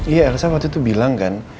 iya saya waktu itu bilang kan